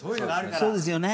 そうですね。